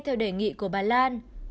theo đề nghị của bản lan